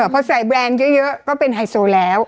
พอใส่แบรนด์เยอะก็เป็นไฮโซแล้ว